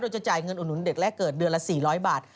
จะจ่ายเงินอุดหนุนเด็กแรกเกิดเดือนละ๔๐๐บาท